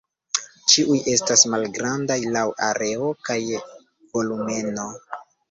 Ĉiuj estas malgrandaj laŭ areo kaj volumeno.